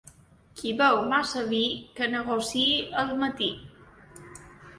Qui beu massa vi, que negociï al matí.